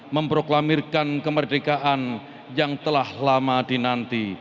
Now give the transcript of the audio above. memproklamirkan kemerdekaan yang telah lama dinanti